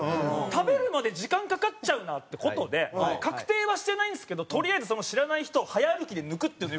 食べるまで時間かかっちゃうなって事で確定はしてないんですけどとりあえずその知らない人を早歩きで抜くっていう。